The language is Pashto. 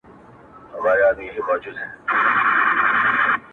o رشتيا خبري يا مست کوي، يا لېونى!